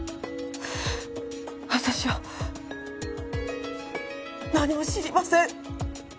私は何も知りません。